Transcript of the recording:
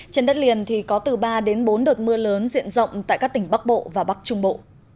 trên đất liền thì có từ ba đến bốn đợt mưa lớn diện rộng tại các tỉnh bắc bộ và bắc trung bộ